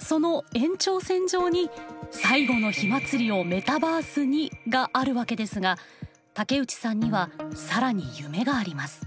その延長線上に「最後の火祭りをメタバースに」があるわけですが竹内さんには更に夢があります。